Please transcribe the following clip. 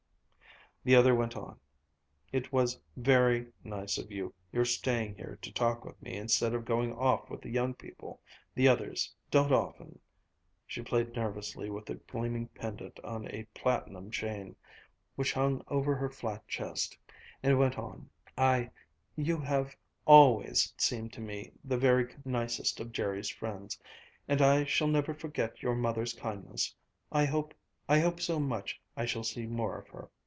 The other went on: "It was very nice of you your staying here to talk with me instead of going off with the young people the others don't often " She played nervously with a gleaming pendant on a platinum chain which hung over her flat chest, and went on: "I you have always seemed to me the very nicest of Jerry's friends and I shall never forget your mother's kindness. I hope I hope so much I shall see more of her.